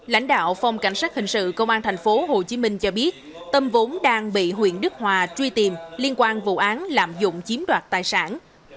lãnh đạo phòng cảnh sát hình sự công an tp hcm cho biết tâm vốn đang bị huyện đức hòa truy tìm liên quan vụ án lạm dụng chiếm đoạt tài sản